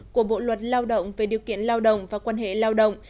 của bộ luật lao động về điều kiện lao động và quan hệ lao động